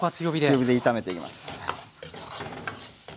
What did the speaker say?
強火で炒めていきます。